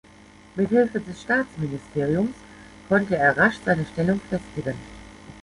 Mit Hilfe des Staatsministeriums konnte er rasch seine Stellung festigen.